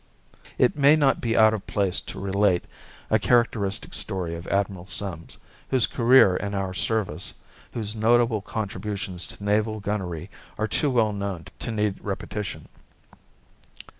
It may not be out of place to relate a characteristic story of Admiral Sims, whose career in our service, whose notable contributions to naval gunnery are too well known to need repetition.